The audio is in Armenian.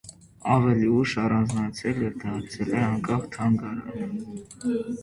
Ավելի ուշ առանձնացել և դարձել է անկախ թանգարան։